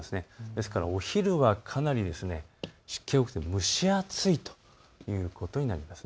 ですからお昼はかなり湿気が多くて蒸し暑いということになります。